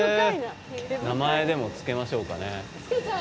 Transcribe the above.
名前でもつけましょうかね。